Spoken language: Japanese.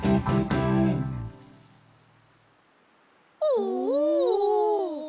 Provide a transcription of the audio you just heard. おお！